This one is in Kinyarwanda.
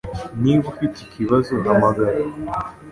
Niba ufite ikibazo, hamagara.